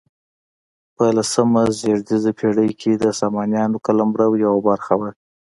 په لسمه زېږدیزې پیړۍ کې د سامانیانو قلمرو یوه برخه وه.